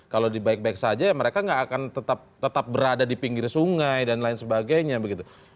kalau dibaik baik saja ya mereka nggak akan tetap berada di pinggir sungai dan lain sebagainya begitu